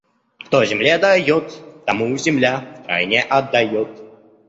Кто земле дает, тому земля втройне отдает